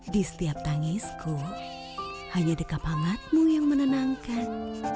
di setiap tangisku hanya dekat hangatmu yang menenangkan